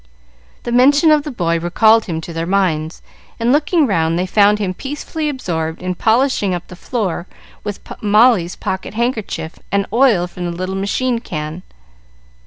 The mention of the boy recalled him to their minds, and looking round they found him peacefully absorbed in polishing up the floor with Molly's pocket handkerchief and oil from the little machine can.